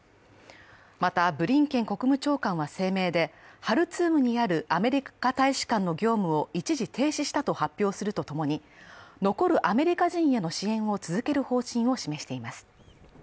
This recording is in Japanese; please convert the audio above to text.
また、ブリンケン国務長官は声明でハルツームにあるアメリカ大使館の業務を一時停止したと発表するとともに、残るアメリカ人への支援を続ける方針を示しています。